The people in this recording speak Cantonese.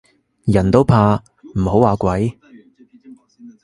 人都怕唔好話鬼